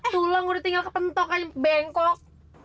tulang udah tinggal kepentok bengkok